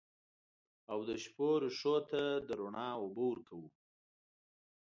او د شپو رېښو ته د رڼا اوبه ورکوو